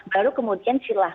baru kemudian silakan